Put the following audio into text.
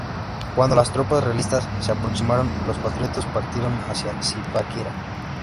Cuando las tropas realistas se aproximaron, los patriotas partieron hacia Zipaquirá.